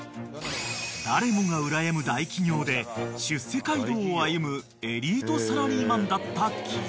［誰もがうらやむ大企業で出世街道を歩むエリートサラリーマンだった木津さん］